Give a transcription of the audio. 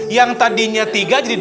yang tadinya tiga jadi delapan nih